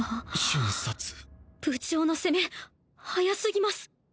瞬殺部長の攻め速すぎます